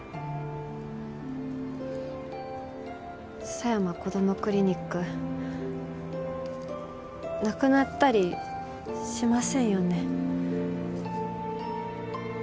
さやま・こどもクリニックなくなったりしませんよね？